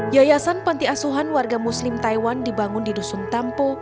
yayasan panti asuhan warga muslim taiwan dibangun di dusun tampo